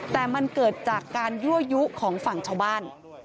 แต่มันเกิดจากการยั่วยุของฝั่งชาวบ้าน